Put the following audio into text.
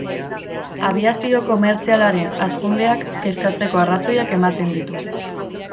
Abiazio komertzialaren hazkundeak kezkatzeko arrazoiak ematen ditu.